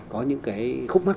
có những cái khúc mắt